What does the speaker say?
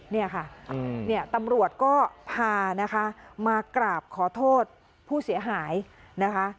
เนี่ยค่ะเนี่ยตำรวจก็พานะคะมากราบขอโทษผู้เสียหายนะคะ